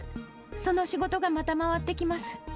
その仕事がまた回ってきます。